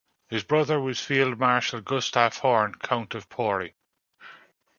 His brother was Field Marshal Gustav Horn, Count of Pori.